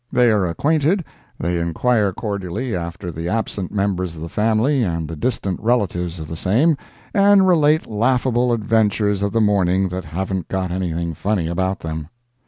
They are acquainted. They inquire cordially after the absent members of the family and the distant relatives of the same, and relate laughable adventures of the morning that haven't got anything funny about them.